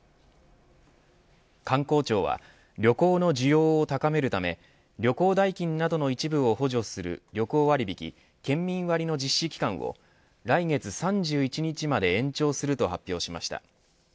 観光庁は旅行の需要を高めるため旅行代金などの一部を補助する旅行割引、県民割の実施期間を来月３１日まで延長すると発表しました。